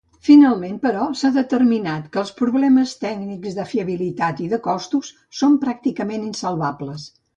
Finalment, però, s'ha determinat que els problemes tècnics, de fiabilitat i de costos són pràcticament insalvables.